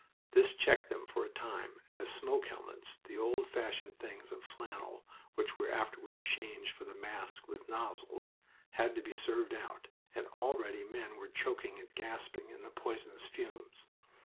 This checked them for a time, as smoke helmets the old fashioned things of flannel which were afterward changed for the masks with nozzles had to be served out, and already men were choking and gasping in the poisonous fumes.